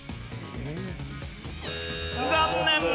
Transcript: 残念！